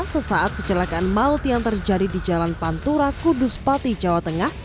sesaat kecelakaan maut yang terjadi di jalan pantura kudus pati jawa tengah